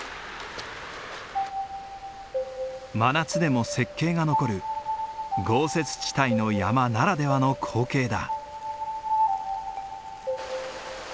真夏でも雪渓が残る豪雪地帯の山ならではの光景だ。